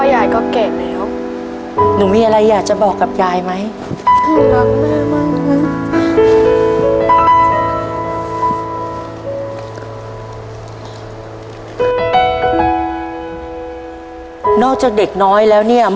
ทับผลไม้เยอะเห็นยายบ่นบอกว่าเป็นยังไงครับ